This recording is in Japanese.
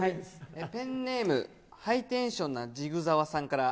ペンネーム、ハイテンションなじぐざわさんから。